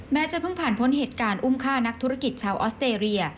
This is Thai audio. จะเพิ่งผ่านพ้นเหตุการณ์อุ้มฆ่านักธุรกิจชาวออสเตรเลีย